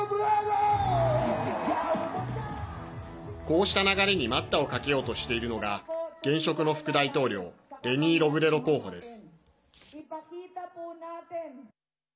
こうした流れに待ったをかけようとしているのが現職の副大統領レニー・ロブレド候補です。